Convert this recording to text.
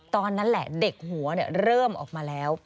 ตอนนั้นแหละเด็กหัวเริ่มออกมาแล้ว